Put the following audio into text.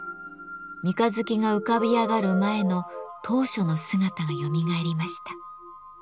三日月が浮かび上がる前の当初の姿がよみがえりました。